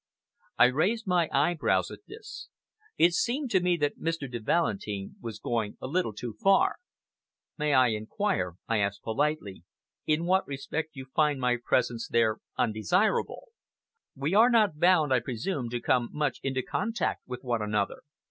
I raised my eyebrows at this. It seemed to me that Mr. de Valentin was going a little too far. "May I inquire," I asked politely, "in what respect you find my presence there undesirable? We are not bound, I presume, to come much into contact with one another."